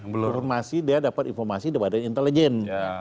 konfirmasi dia dapat informasi kepada intelijen